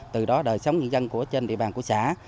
từ đó đời sống nhân dân trên địa bàn của xã